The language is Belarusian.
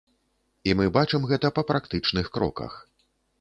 І мы бачым гэта па практычных кроках.